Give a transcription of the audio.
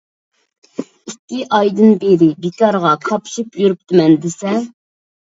ئىككى ئايدىن بېرى بىكارغا كاپشىپ يۈرۈپتىمەن دېسە.